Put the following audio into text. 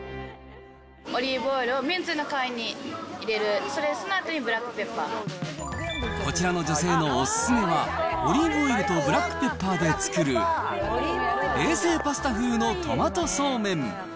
オリーブオイルをめんつゆの代わりに入れる、こちらの女性のお勧めは、オリーブオイルとブラックペッパーで作る、冷製パスタ風のトマトそうめん。